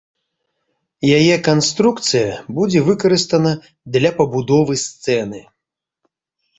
Яе канструкцыя будзе выкарыстана для пабудовы сцэны.